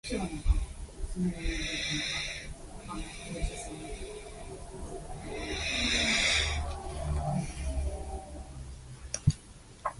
The tower is the tallest wooden structure in Europe.